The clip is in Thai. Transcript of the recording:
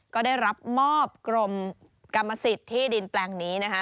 ก็ได้รับมอบกรมกรรมสิทธิ์ที่ดินแปลงนี้นะคะ